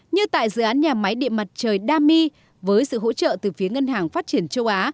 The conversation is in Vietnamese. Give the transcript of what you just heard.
như tại dự án nhà máy điện mặt trời dami với sự hỗ trợ từ phía ngân hàng phát triển châu á